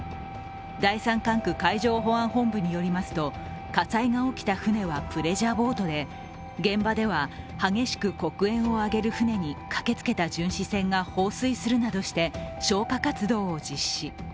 第三管区海上保安本部によりますと、火災が起きた船はプレジャーボートで現場では激しく黒煙を上げる船に駆けつけた巡視船が放水するなどして消火活動を実施。